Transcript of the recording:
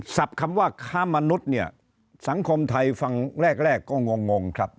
คำว่าค้ามนุษย์เนี่ยสังคมไทยฟังแรกแรกก็งงครับ